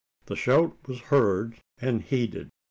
The shout was heard, and heeded.